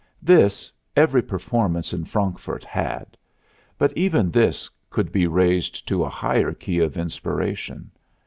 This, every performance in Frankfurt had; but even this could be raised to a higher key of inspiration.